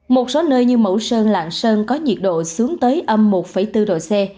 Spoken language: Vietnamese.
một số nơi như mẫu sơn lạng sơn có nhiệt độ xuống tới âm một bốn độ c